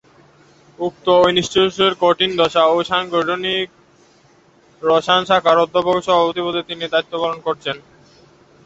উক্ত ইনস্টিটিউটের কঠিন দশা ও গাঠনিক রসায়ন শাখার অধ্যাপক ও সভাপতি পদে তিনি দায়িত্ব পালন করছেন।